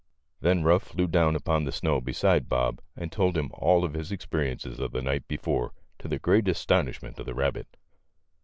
Then Ruff flew down upon the snow beside Bob, and told him all of his experiences of the night before, to the great astonishment of the rabbit.